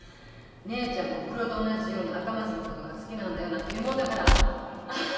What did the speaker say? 「姉ちゃんもおふくろと同じように赤松のことが好きなんだよ」なんて言うもんだからアハハ